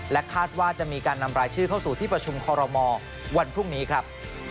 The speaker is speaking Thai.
คาดว่าจะมีการนำรายชื่อเข้าสู่ที่ประชุมคอรมอลวันพรุ่งนี้ครับ